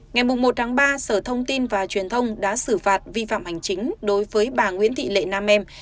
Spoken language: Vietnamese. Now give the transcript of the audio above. ngày một ba sở thông tin và truyền thông đã xử phạt vi phạm hành chính đối với bà nguyễn thị lệ nam em